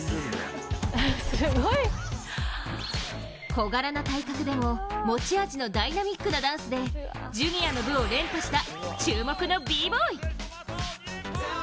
小柄な体格でも持ち味のダイナミックなダンスでジュニアの部を連覇した注目のＢ−ＢＯＹ。